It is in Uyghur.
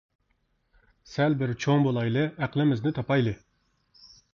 سەل بىر چوڭ بولايلى، ئەقلىمىزنى تاپايلى!